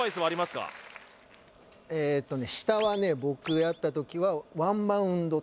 ええとね